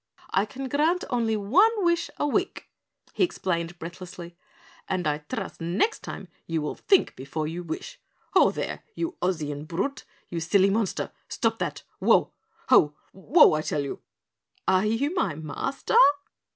"I can grant only one wish a week," he explained breathlessly, "and I trust next time you will think before you wish. Whoa, there, you Ozian brute! You silly monster. Stop that! Whoa! Ho! Whoa, I tell you!" "Are you my master?"